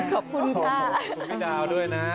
ขอบคุณพี่ดาวด้วยนะ